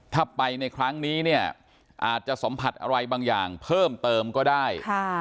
ถ้าไปในครั้งนี้เนี่ยอาจจะสัมผัสอะไรบางอย่างเพิ่มเติมก็ได้